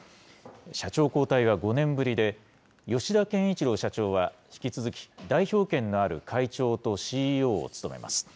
社長交代は５年ぶりで、吉田憲一郎社長は引き続き、代表権のある会長とＣＥＯを務めます。